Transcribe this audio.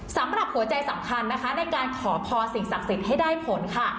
สำหรับหัวใจสำคัญนะคะในการขอพรสิ่งศักดิ์สิทธิ์ให้ได้ผลค่ะ